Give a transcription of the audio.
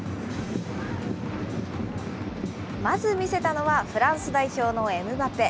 まず見せたのは、フランス代表のエムバペ。